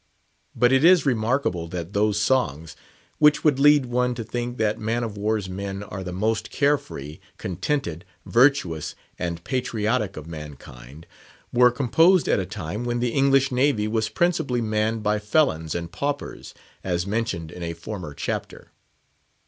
But it is remarkable that those songs—which would lead one to think that man of war's men are the most care free, contented, virtuous, and patriotic of mankind—were composed at a time when the English Navy was principally manned by felons and paupers, as mentioned in a former chapter.